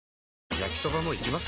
焼きソバもいきます？